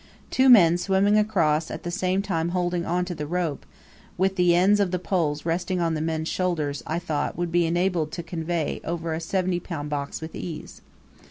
Two men swimming across, at the same time holding on to the rope, with the ends of the poles resting on the men's shoulders, I thought, would be enabled to convey over a 70 lb. box with ease.